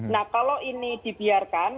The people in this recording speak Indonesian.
nah kalau ini dibiarkan